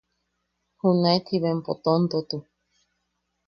Junaet jiba empo tontotu.